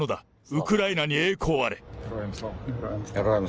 ウクライナに栄光あれ。